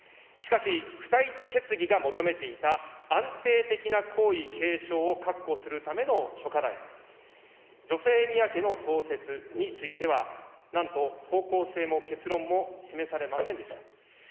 しかし、付帯決議が求めていた安定的な皇位継承を確保するための諸課題、女性宮家の創設については、なんと方向性も結論も示されませんでした。